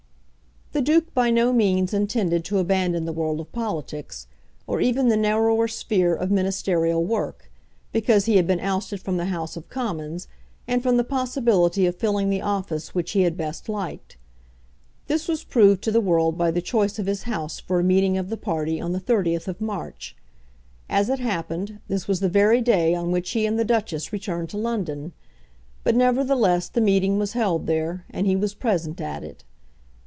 The Duke by no means intended to abandon the world of politics, or even the narrower sphere of ministerial work, because he had been ousted from the House of Commons, and from the possibility of filling the office which he had best liked. This was proved to the world by the choice of his house for a meeting of the party on the 30th of March. As it happened, this was the very day on which he and the Duchess returned to London; but nevertheless the meeting was held there, and he was present at it.